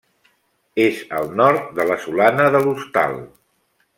És al nord de la Solana de l'Hostal.